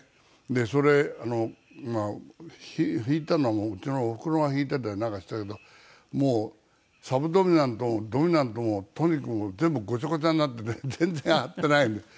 でそれあのまあ弾いたのもうちのおふくろが弾いてたりなんかしてたけどもうサブドミナントもドミナントもとにかくもう全部ゴチャゴチャになってて全然合ってないんだよ。